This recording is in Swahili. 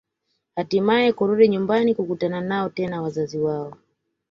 Hatimaye kurudi nyumbani kukutana nao tena wazazi wao